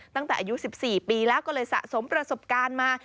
ตั้งแต่อายุ๑๔ปีแล้วก็เลยสะสมประสบการณ์มา